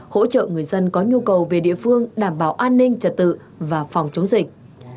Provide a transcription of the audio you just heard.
hỗ trợ người dân có nhu cầu về địa phương đảm bảo an ninh trật tự và phòng chống dịch